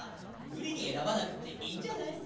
むりにえらばなくっていいんじゃない？